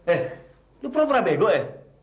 eh lu pura pura bego ya